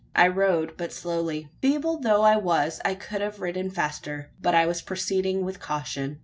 I rode but slowly. Feeble though I was, I could have ridden faster, but I was proceeding with caution.